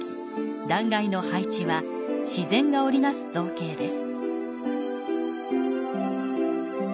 断崖の配置は、自然が織りなす造形です。